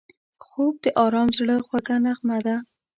خوب د آرام زړه خوږه نغمه ده